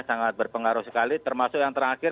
sangat berpengaruh sekali termasuk yang terakhir